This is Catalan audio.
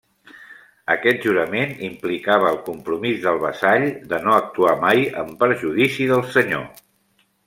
Aquest jurament implicava el compromís del vassall de no actuar mai en perjudici del senyor.